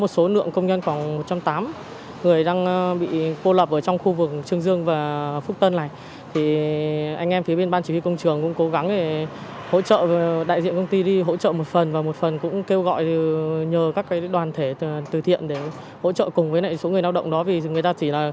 sau khi có những trường hợp vượt rào đi ra khỏi vùng dịch